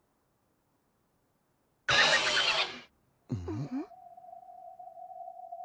うん？